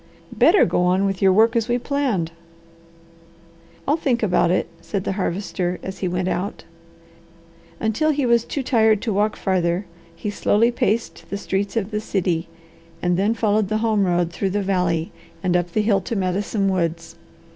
"Better go on with your work as we planned." "I'll think about it," said the Harvester as he went out. Until he was too tired to walk farther he slowly paced the streets of the city, and then followed the home road through the valley and up the hill to Medicine Woods.